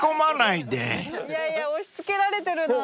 いやいや押し付けられてるな。